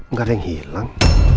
nggak ada yang hilang